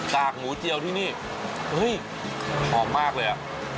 กหมูเจียวที่นี่เฮ้ยหอมมากเลยอ่ะ